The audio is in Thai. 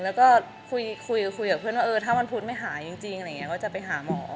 แล้วก็คุยพูดกับเพื่อนว่าเออถ้าวันพฤษไม่หายจริงก็จะไปหาหมอ